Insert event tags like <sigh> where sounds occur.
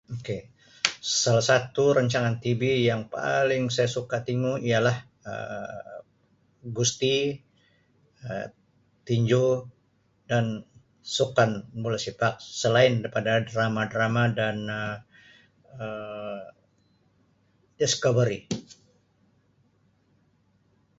"Okay <noise> salah satu rancangan tb yang paling saya suka tingu ialah Um gusti, Um tinju dan sukan bola sepak. Selain daripada drama-drama dan Um <noise> Um ""discovery""." <noise>